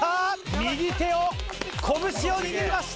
右手を拳を握りました！